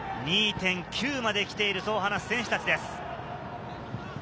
２．９まで来ている、そう話す選手たちです。